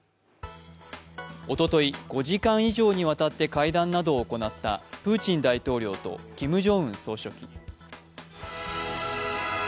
おととい、５時間以上にわたって会談などを行ったプーチン大統領とキム・ジョンウン総書記。